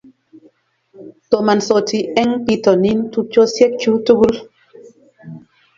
Somansoti eng' bitonin tupchosiekchu tugul